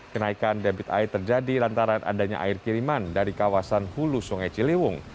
kenaikan debit air terjadi lantaran adanya air kiriman dari kawasan hulu sungai ciliwung